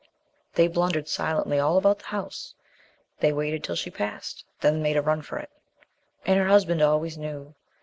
They blundered silently all about the house. They waited till she passed, then made a run for it. And her husband always knew.